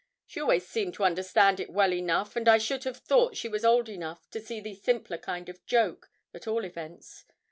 She always seemed to understand it well enough, and I should have thought she was old enough to see the simpler kind of joke, at all events.